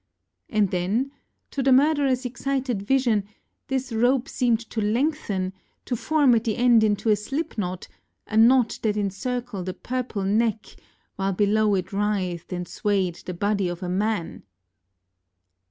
And then, to the murdererŌĆÖs excited vision, this rope seemed to lengthen, to form at the end into a slipknot, a knot that encircled a purple neck, while below it writhed and swayed the body of a man!